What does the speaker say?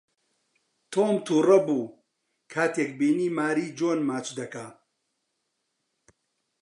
تۆم تووڕە بوو کاتێک بینی ماری جۆن ماچ دەکات.